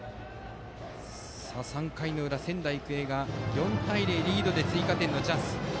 ３回の裏、仙台育英が４対０とリードで追加点のチャンスです。